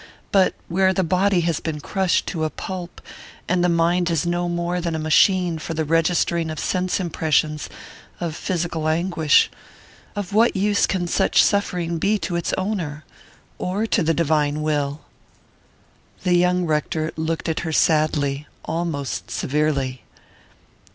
But where the body has been crushed to a pulp, and the mind is no more than a machine for the registering of sense impressions of physical anguish, of what use can such suffering be to its owner or to the divine will?" The young rector looked at her sadly, almost severely.